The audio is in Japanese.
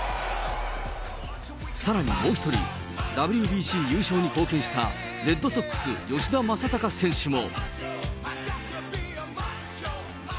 さらにもう１人、ＷＢＣ優勝に貢献したレッドソックス、吉田正尚選手も。